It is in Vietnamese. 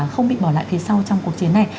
không bị bỏ lại phía sau trong cuộc chiến này